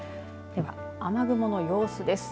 では、雨雲の様子です。